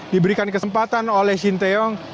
diberikan kesempatan oleh shin taeyong